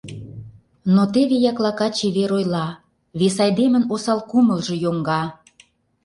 Но теве Яклака чевер ойла — Вес айдемын осал кумылжо йоҥга.